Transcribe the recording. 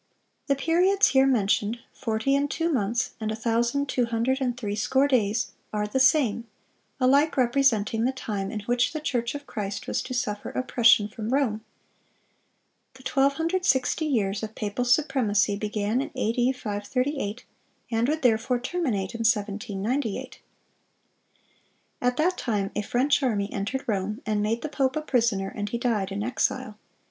(385) The periods here mentioned—"forty and two months," and "a thousand two hundred and threescore days"—are the same, alike representing the time in which the church of Christ was to suffer oppression from Rome. The 1260 years of papal supremacy began in A.D. 538, and would therefore terminate in 1798.(386) At that time a French army entered Rome, and made the pope a prisoner, and he died in exile.